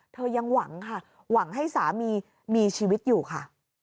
ยังหวังค่ะหวังให้สามีมีชีวิตอยู่ค่ะ